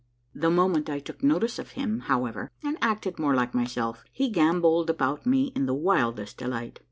The moment I took notice of him, how ever, and acted more like myself, he gamboled about me in the wildest delight.